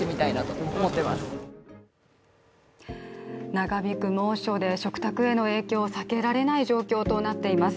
長引く猛暑で、食卓への影響は避けられない状況となっています。